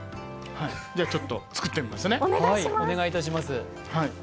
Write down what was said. ちょっと作ってみますね。